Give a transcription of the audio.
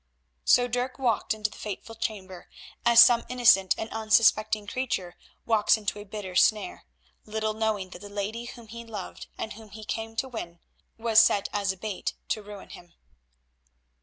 So Dirk walked into the fateful chamber as some innocent and unsuspecting creature walks into a bitter snare, little knowing that the lady whom he loved and whom he came to win was set as a bait to ruin him.